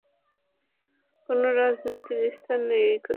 কোনও রাজনীতির স্থান নেই এখানে।